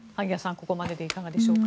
ここまででいかがでしょうか。